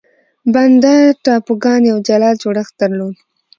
بانډا ټاپوګان یو جلا جوړښت درلود.